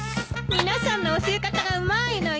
皆さんの教え方がうまいのよ！